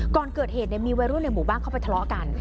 ก่อนเกิดเหตุมีวัยรุ่นในหมู่บ้านเข้าไปทะเลาะกัน